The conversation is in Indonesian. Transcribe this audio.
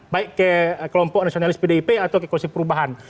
baik ke kelompok nasionalis pdip atau ke koalisi perubahan